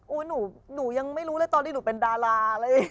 หนูยังไม่รู้เลยตอนนี้หนูเป็นดาราเลย